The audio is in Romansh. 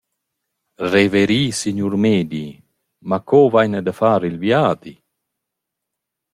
«Reveri signur meidi, ma co vaina da far il viadi?»